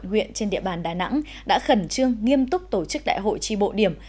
huyện trên địa bàn đà nẵng đã khẩn trương nghiêm túc tổ chức đại hội tri bộ điểm